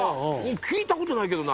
聞いたことないけどな。